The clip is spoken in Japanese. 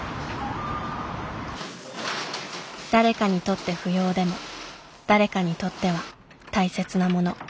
誰かにとって不要でも誰かにとっては大切な物。